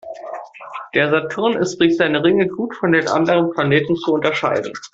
Der Saturn ist durch seine Ringe gut von den anderen Planeten zu unterscheiden.